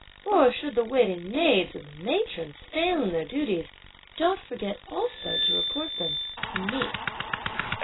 or should the waiting maids or the matrons fail in their duties, don't forget also to report them to me."